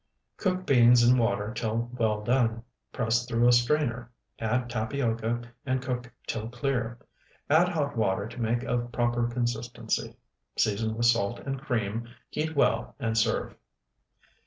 Cook beans in water till well done; press through a strainer, add tapioca, and cook till clear; add hot water to make of proper consistency; season with salt and cream; heat well, and serve.